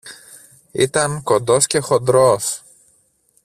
ήταν κοντός και χοντρός